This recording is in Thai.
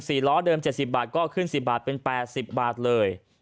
สี่ล้อเดิม๗๐บาทก็ขึ้น๑๐บาทเป็น๘๐บาทเลย